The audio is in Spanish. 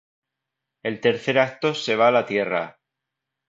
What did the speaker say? El tercer acto se va a la Tierra.